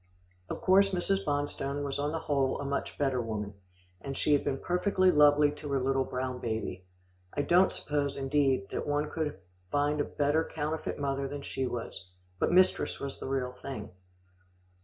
Of course, Mrs. Bonstone was on the whole a much better woman, and she had been perfectly lovely to her little brown baby. I don't suppose, indeed, that one could find a better counterfeit mother than she was, but mistress was the real thing.